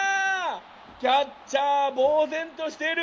キャッチャーぼう然としている！